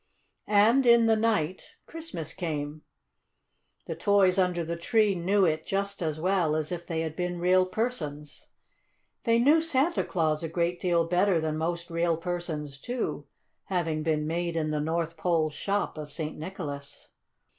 And in the night Christmas came. The toys under the tree knew it just as well as if they had been real persons. They knew Santa Claus a great deal better than most real persons, too, having been made in the North Pole shop of St. Nicholas.